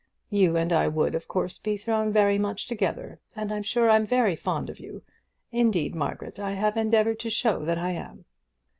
You and I would, of course, be thrown very much together, and I'm sure I'm very fond of you. Indeed, Margaret, I have endeavoured to show that I am."